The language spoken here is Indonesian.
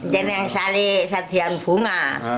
dan yang saling satu yang bunga